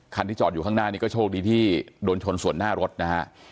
ที่จอดอยู่ข้างหน้านี้ก็โชคดีที่โดนชนส่วนหน้ารถนะฮะ